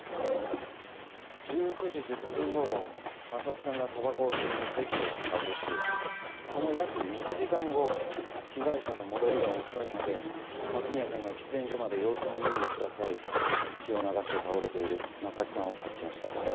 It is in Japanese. ああ１９時１０分頃征木さんがたばこを吸いに席を外しその約１時間後被害者の戻りが遅いので松宮さんが喫煙所まで様子を見に行った際血を流して倒れている征木さんを発見したと。